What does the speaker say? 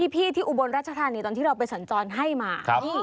พี่ที่อุบลรัชธานีตอนที่เราไปสัญจรให้มา